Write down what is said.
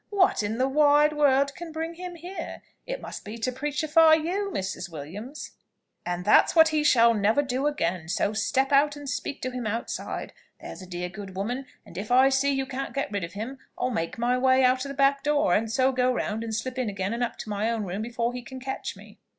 "What in the wide world can bring him here? It must be to preachify you, Mrs. Williams." "And that's what he shall never do again: so step out and speak to him outside there's a dear good woman; and if I see you can't get rid of him, I'll make my way out of the back door, and so go round and slip in again and up to my own room before he can catch me."